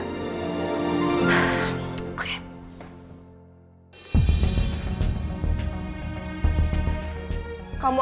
aku kayak gini gara gara ini ya noh